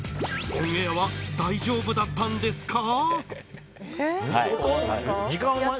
オンエアは大丈夫だったんですか？